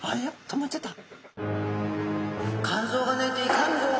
止まっちゃった。